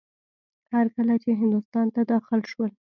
هر کله چې هندوستان ته داخل شول.